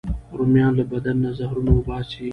رومیان له بدن نه زهرونه وباسي